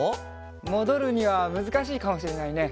もどるにはむずかしいかもしれないね。